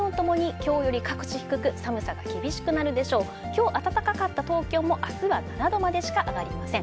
きょう、暖かかった東京も、あすは７度までしか上がりません。